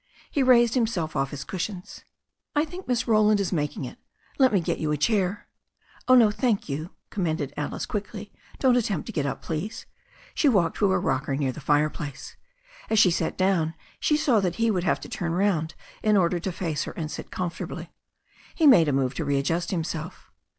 He raised himself off his cushions. ''I think Miss Roland is making it Let me get you a chair." "Oh, no, thank you,'* commanded Alice quickly. "Don't attempt to get up, please." She walked to her rocker near the fireplace. As she sat down she saw that he would have to turn round in order to face her and sit comfortably. He made a move to readjust himself.